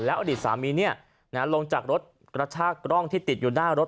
อดีตสามีลงจากรถกระชากกล้องที่ติดอยู่หน้ารถ